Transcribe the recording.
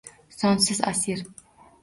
Sonsiz asir